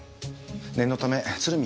念のため鶴見